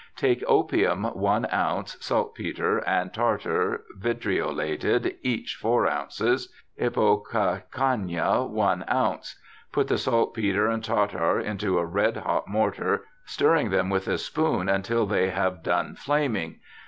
* Take Opium one ounce, Salt Petre and Tartar vitriolated each four ounces, Ipocacuana one ounce. Put the Salt Petre and Tartar into a red hot mortar, stirring them with a spoon until they have done flaming.